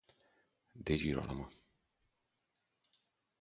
De Girolamo